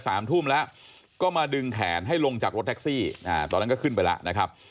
สามทุ่มแล้วก็มาดึงแขนให้ลงจากรถแท็กซี่อ่าตอนนั้นก็ขึ้นไปแล้วนะครับ